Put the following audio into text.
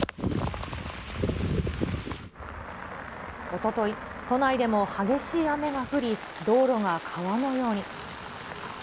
おととい、都内でも激しい雨が降り、道路が川のように。